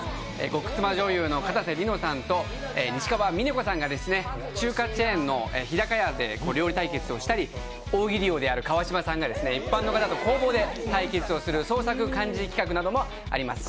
極妻女優・かたせ梨乃さんと仁支川峰子さんが中華チェーンの日高屋で料理対決をしたり大喜利王である川島さんが一般の方と公募で対決をする創作漢字企画なともあります。